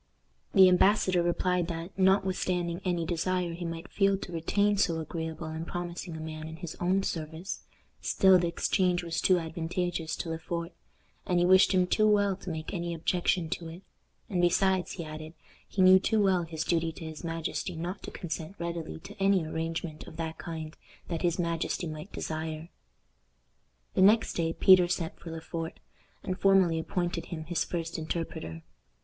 The embassador replied that, notwithstanding any desire he might feel to retain so agreeable and promising a man in his own service, still the exchange was too advantageous to Le Fort, and he wished him too well to make any objection to it; and besides, he added, he knew too well his duty to his majesty not to consent readily to any arrangement of that kind that his majesty might desire. The next day Peter sent for Le Fort, and formally appointed him his first interpreter.